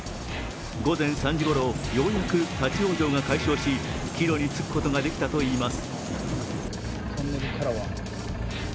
午前３時ごろ、ようやく立往生が解消し帰路につくことができたといいます。